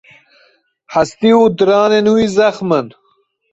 Hestî û diranên wî zexm in.